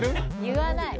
言わない。